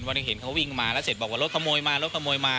วันนี้เห็นเขาวิ่งมาแล้วเสร็จบอกว่ารถขโมยมารถขโมยมา